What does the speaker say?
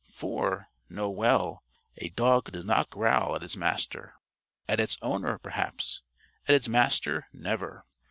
For, know well, a dog does not growl at its Master. At its owner, perhaps; at its Master, never.